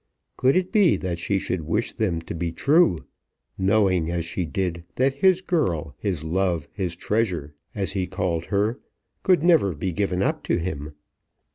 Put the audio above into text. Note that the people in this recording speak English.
Could it be that she should wish them to be true, knowing, as she did, that his girl, his love, his treasure, as he called her, could never be given up to him?